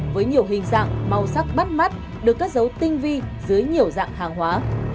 với nhiều hình dạng màu sắc bắt mắt được cất dấu tinh vi dưới nhiều dạng hàng hóa